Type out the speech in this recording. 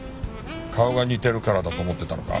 顔が似てるからだと思ってたのか？